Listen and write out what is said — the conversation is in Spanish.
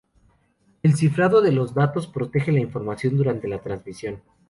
El cifrado de los datos protege la información durante la transmisión.